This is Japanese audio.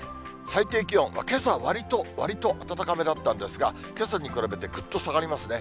最低気温、けさ、わりと暖かめだったんですが、けさに比べてぐっと下がりますね。